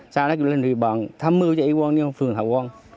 sau đó kiểm lâm người bằng tham mưu cho y quân y quân phường hậu quân